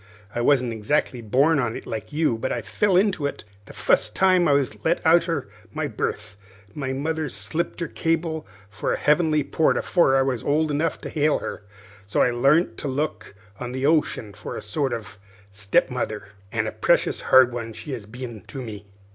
I wasn't exactly born on it, look you, but I fell into it the fust time I was let out arter my birth. My mother slipped her cable for a heavenly port afore I was old enough to hail her; so I larnt to look on the ocean for a sort of step mother an' a precious hard one she has been to me.